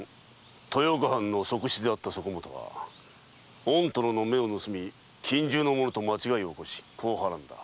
豊岡藩の側室であったそこ許は御殿の目を盗み近習の者と間違いを起こし子を孕んだ。